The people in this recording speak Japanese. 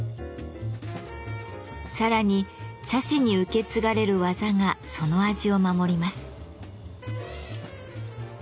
さらに茶師に受け継がれる技がその味を守ります。